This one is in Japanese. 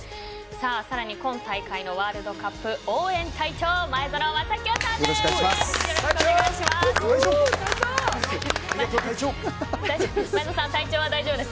さらに今大会のワールドカップ応援隊長前園真聖さんです。